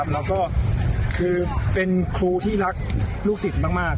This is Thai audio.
แล้วก็คือเป็นครูที่รักลูกศิษย์มาก